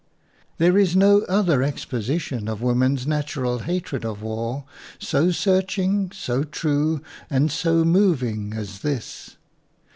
There is no other exposition of wom en's natural hatred of war so searching, so true and so moving as this.